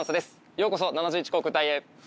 ようこそ７１航空隊へ。